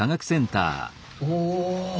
おお！